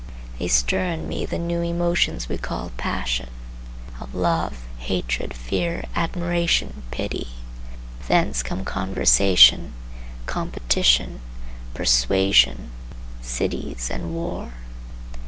They stir in me the new emotions we call passion; of love, hatred, fear, admiration, pity; thence come conversation, competition, persuasion, cities and war.